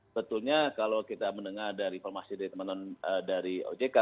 sebetulnya kalau kita mendengar dari informasi dari teman teman dari ojk